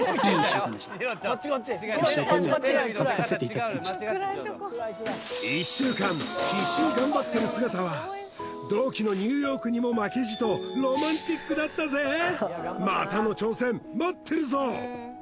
嫌だよ１週間必死に頑張ってる姿は同期のニューヨークにも負けじとロマンティックだったぜまたの挑戦待ってるぞ！